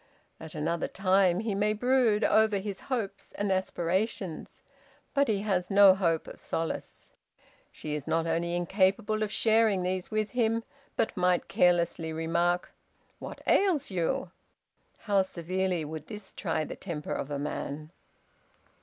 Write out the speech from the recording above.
At another time he may brood over his hopes and aspirations; but he has no hope of solace. She is not only incapable of sharing these with him, but might carelessly remark, 'What ails you?' How severely would this try the temper of a man!